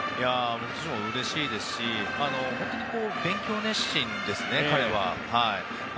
もちろんうれしいですし本当に勉強熱心ですね、彼は。